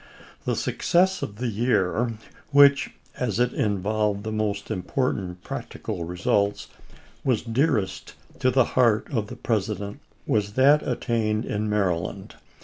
The success of the year, which — as it involved the most important I practical results — was dearest to the heart of the President, was that attained in Maryland.